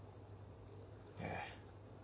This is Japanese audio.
ええ。